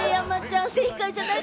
絶対正解じゃない。